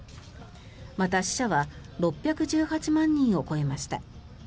また、死者は６１８万人を超えました。